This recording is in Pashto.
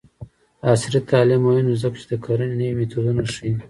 عصري تعلیم مهم دی ځکه چې د کرنې نوې میتودونه ښيي.